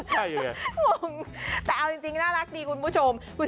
อาจารย์จริงน่ารักดีคุณผู้ชม